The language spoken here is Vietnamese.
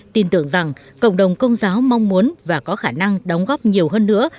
tin tưởng rằng cộng đồng công giáo mong muốn và có khả năng đóng góp nhiều hơn nữa